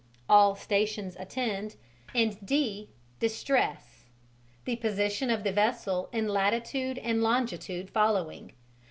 "all stations attend," and D, "distress," the position of the vessel in latitude and longitude following.